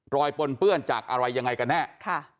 ปนเปื้อนจากอะไรยังไงกันแน่